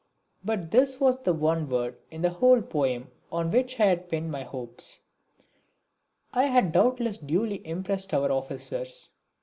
But this was the one word in the whole poem on which I had pinned my hopes. It had doubtless duly impressed our officers.